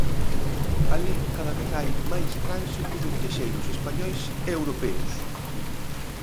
Alí cada vez hai máis tránsito de viaxeiros españois e europeos.